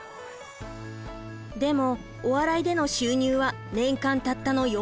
でもお笑いでの収入は年間たったの４万円ほど。